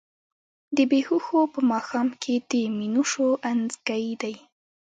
د بــــــې هــــــوښو په ماښام کي د مینوشو انځکی دی